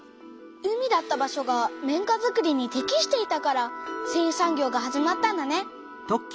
海だった場所が綿花づくりにてきしていたからせんい産業が始まったんだね。